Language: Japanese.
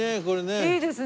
いいですね